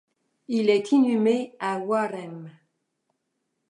Il est inhumé à Waremme.